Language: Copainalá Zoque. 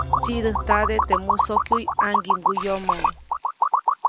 Tsiʼdäjtade teʼ musokyuʼy ʼaŋgiʼmguʼyomo.